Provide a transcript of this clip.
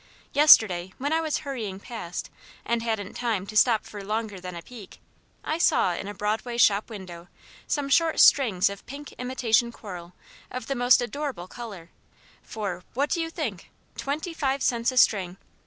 Yesterday, when I was hurrying past and hadn't time to stop for longer than a peek, I saw in a Broadway shop window some short strings of pink imitation coral of the most adorable colour, for what do you think? Twenty five cents a string!